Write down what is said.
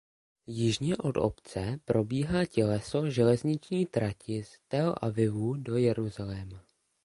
Jižně od obce probíhá těleso železniční trati z Tel Avivu do Jeruzaléma.